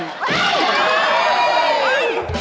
เฮ้ย